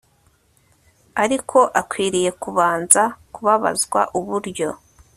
Ariko akwiriye kubanza kubabazwa uburyo